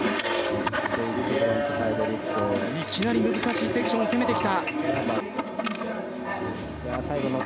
いきなり難しいセクションを攻めてきた。